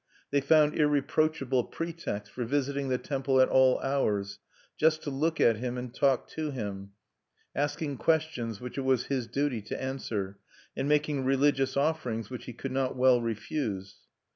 They found irreproachable pretexts for visiting the temple at all hours, just to look at him and talk to him; asking questions which it was his duty to answer, and making religious offerings which he could not well refuse.